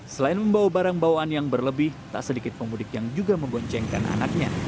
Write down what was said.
selain membawa barang bawaan yang berlebih tak sedikit pemudik yang juga memboncengkan anaknya